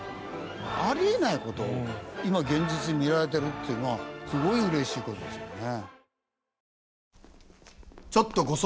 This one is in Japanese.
あり得ない事を今現実に見られてるっていうのはすごい嬉しい事ですよね。